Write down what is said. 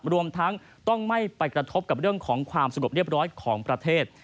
รวมทั้งต้องไม่ไปกระทบกับเรื่องของความสงบเรียบร้อยของประเทศ